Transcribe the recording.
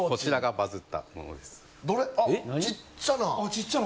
ちっちゃな。